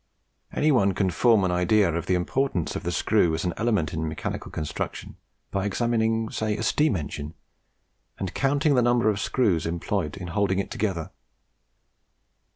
Any one can form an idea of the importance of the screw as an element in mechanical construction by examining say a steam engine, and counting the number of screws employed in holding it together.